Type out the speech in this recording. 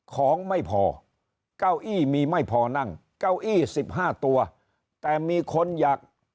ของไม่พอเก้าอี้มีไม่พอนั่งเก้าอี้สิบห้าตัวแต่มีคนอยาก